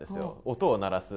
音を鳴らす。